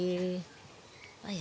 jadi pak ya